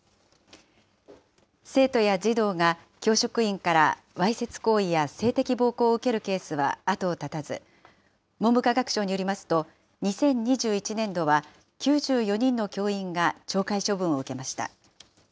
生徒や児童が教職員からわいせつ行為や性的暴行を受けるケースは後を絶たず、文部科学省によりますと、２０２１年度は９４人の教員が懲戒処分を受けました。